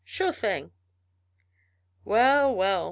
"Sure thing." "Well, well!"